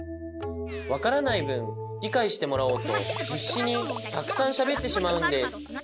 わからないぶんりかいしてもらおうとひっしにたくさんしゃべってしまうんです。